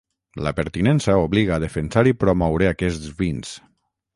La pertinença obliga a defensar i promoure aquests vins.